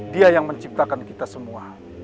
dia yang menciptakan kita semua